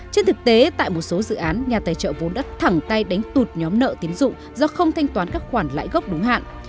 trên thực tế tại một số dự án nhà tài trợ vốn đã thẳng tay đánh tụt nhóm nợ tiến dụng do không thanh toán các khoản lãi gốc đúng hạn